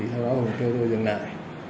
sau đó ông kêu tôi dừng lại